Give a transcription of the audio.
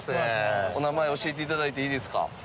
お名前教えて頂いていいですか？